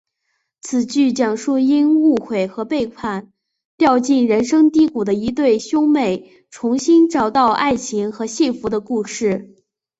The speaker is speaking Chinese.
此剧讲述因误会和背叛掉进人生低谷的一对兄妹重新找到爱情和幸福的故事。